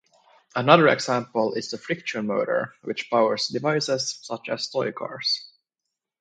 Another example is the friction motor which powers devices such as toy cars.